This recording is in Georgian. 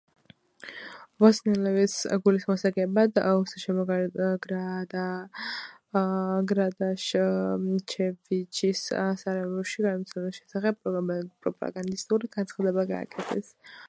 ბოსნიელების გულის მოსაგებად, უსტაშებმა გრადაშჩევიჩის სარაევოში გადმოსვენების შესახებ პროპაგანდისტული განცხადება გააკეთეს.